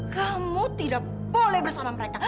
kamu tidak boleh bersama mereka